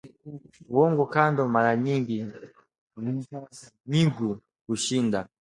Uongo kando mara nyingi nyigu hushinda